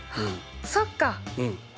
そっか！